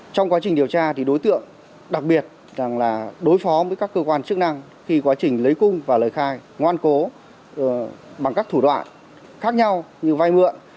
trong quá trình điều tra thì đối tượng đặc biệt rằng là đối phó với các cơ quan chức năng khi quá trình lấy cung và lời khai ngoan cố bằng các thủ đoạn khác nhau như vay mượn